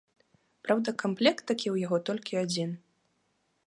Праўда, камплект такі ў яго толькі адзін.